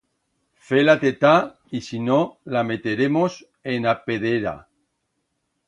Fe-la tetar y, si no, la meteremos en a pedera.